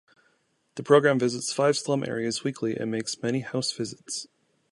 The program visits five slum areas weekly and makes many house visits.